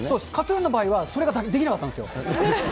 ＫＡＴーＴＵＮの場合はそれができなかったんですよ。